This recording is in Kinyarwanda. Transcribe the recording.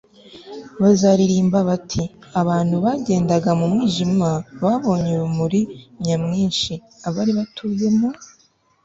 bazaririmba bati abantu bagendaga mu mwijima babonye urumuri nyamwinshi; abari batuye mu